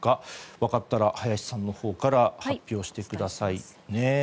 分かったら林さんから発表してください。